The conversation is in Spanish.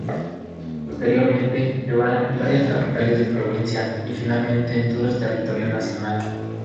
Posteriormente en varias capitales de provincia y, finalmente en todo el territorio nacional.